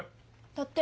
だって。